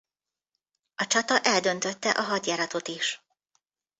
A csata eldöntötte a hadjáratot is.